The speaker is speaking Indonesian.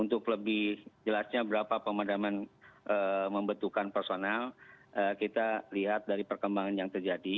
nah kemudian kemudian jelasnya berapa pemadaman eee membutuhkan personil eee kita lihat dari perkembangan yang terjadi